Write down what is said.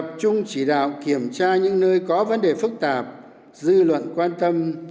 tập trung chỉ đạo kiểm tra những nơi có vấn đề phức tạp dư luận quan tâm